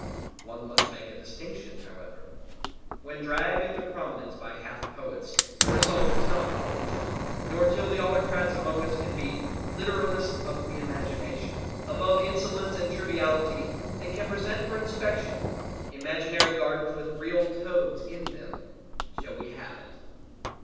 One must make a distinction however: when dragged into prominence by half poets, the result is not poetry, nor till the autocrats among us can be "literalists of the imagination" above insolence and triviality and can present for inspection, imaginary gardens with real toads in them, shall we have it.